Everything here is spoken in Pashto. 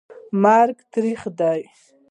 مرګ تریخ دي